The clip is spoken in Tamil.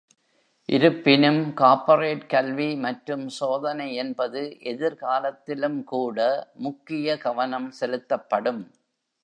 இருப்பினும், கார்ப்பரேட் கல்வி மற்றும் சோதனை என்பது எதிர்காலத்திலும் கூட முக்கிய கவனம் செலுத்தப்படும்.